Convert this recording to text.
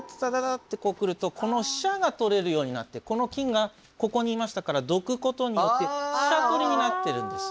ッてこう来るとこの飛車が取れるようになってこの金がここにいましたからどくことによって飛車取りになってるんですね。